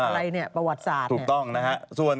อะไรเนี่ยประวัติศาสตร์